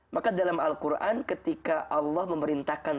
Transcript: maka dalam al quran ketika allah memerintahkan